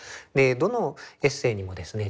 どのエッセーにもですね